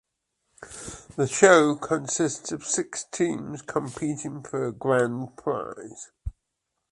The show consists of six teams competing for grand prize.